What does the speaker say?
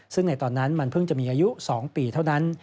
ซึ่งในตอนนั้นมันเพิ่งจะมีอายุ๒ปีเท่านั้น